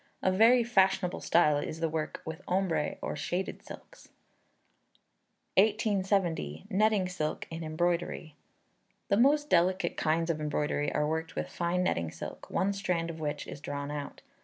A very fashionable style is the work with ombre or shaded silks. 1870. Netting Silk in Embroidery. The most delicate kinds of embroidery are worked with fine netting silk, one strand of which is drawn out.